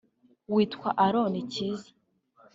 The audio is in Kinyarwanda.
witwa Aron Kizza